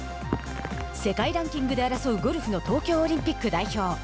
世界ランキングで争うゴルフの東京オリンピック代表。